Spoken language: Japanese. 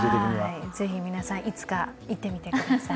ぜひ皆さん、いつか行ってみてください。